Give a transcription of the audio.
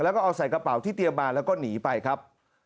แล้วก็เอาใส่กระเป๋าที่เตรียมมาแล้วก็หนีไปครับ